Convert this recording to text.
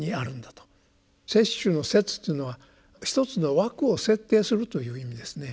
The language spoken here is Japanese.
摂取の「摂」というのは一つの枠を設定するという意味ですね。